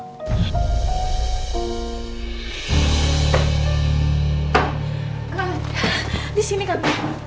gak ada disini kan